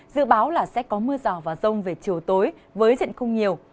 dự báo là sẽ có mưa rào và rông về chiều tối với diện không nhiều